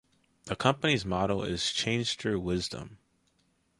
The Company's motto is 'Change through Wisdom'.